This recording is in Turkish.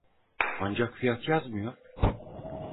Ancak fiyat yazmıyor